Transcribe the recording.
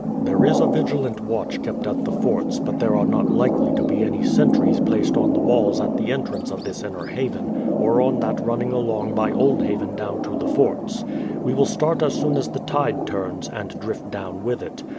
"There is a vigilant watch kept at the forts; but there are not likely to be any sentries placed on the walls at the entrance of this inner haven, or on that running along by Old Haven down to the forts. We will start as soon as the tide turns, and drift down with it.